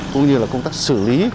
cũng như là công tác xử lý